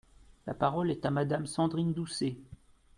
La parole est à Madame Sandrine Doucet.